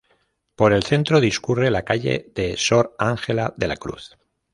Por el centro discurre la calle de Sor Ángela de la Cruz.